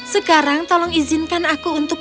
sekarang tolong izinkan aku untuk